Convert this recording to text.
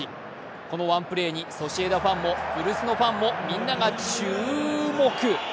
このワンプレーにソシエダファンも古巣のファンもみんながチュウモク。